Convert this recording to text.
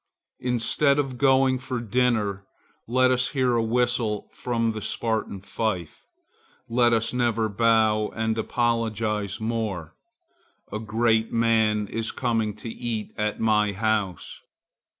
Instead of the gong for dinner, let us hear a whistle from the Spartan fife. Let us never bow and apologize more. A great man is coming to eat at my house.